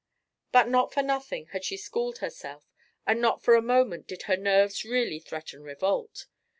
But not for nothing had she schooled herself, and not for a moment did her nerves really threaten revolt.